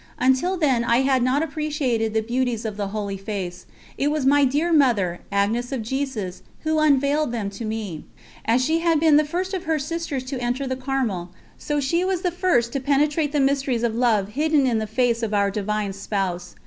Until then I had not appreciated the beauties of the Holy Face; it was my dear Mother, Agnes of Jesus, who unveiled them to me. As she had been the first of her sisters to enter the Carmel, so she was the first to penetrate the mysteries of love hidden in the Face of Our Divine Spouse.